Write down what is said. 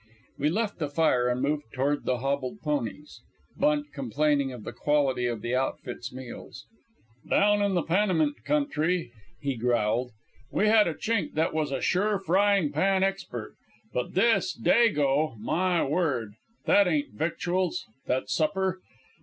We left the fire and moved toward the hobbled ponies, Bunt complaining of the quality of the outfit's meals. "Down in the Panamint country," he growled, "we had a Chink that was a sure frying pan expert; but this Dago my word! That ain't victuals, that supper.